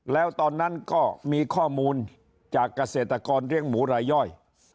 แล้วตอนนั้นก็มีข้อมูลจากเกษตรกรเลี้ยงหมูรายย่อย